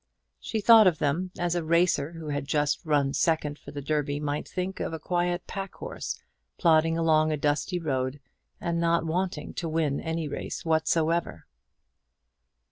She thought of them as a racer, who had just run second for the Derby, might think of a quiet pack horse plodding along a dusty road and not wanting to win any race whatsoever.